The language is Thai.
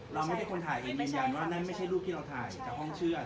เราไม่ใช่คนถ่ายกันยืนยันว่านั่นไม่ใช่รูปที่เราถ่ายจากห้องเชื่อ